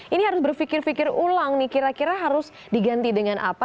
ini harus berpikir pikir ulang nih kira kira harus diganti dengan apa